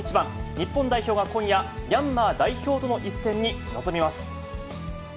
日本代表が今夜、ミャンマー代表との一戦に臨みます。